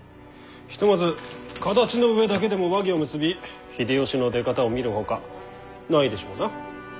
ひとまず形の上だけでも和議を結び秀吉の出方を見るほかないでしょうな。